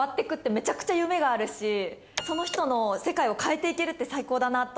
その人の世界を変えて行けるって最高だなと。